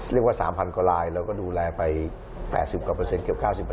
เรียกว่า๓๐๐๐คนลายเราก็ดูแลไป๘๐กว่า๙๐